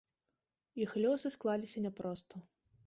Іх лёсы склаліся няпроста.